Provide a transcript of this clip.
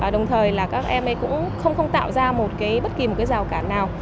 đồng thời là các em ấy cũng không tạo ra một cái bất kỳ một cái rào cản nào